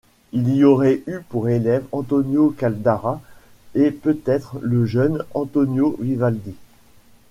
Il y aurait eu pour élèves Antonio Caldara et peut-être le jeune Antonio Vivaldi.